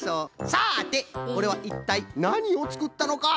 さあでこれはいったいなにをつくったのか？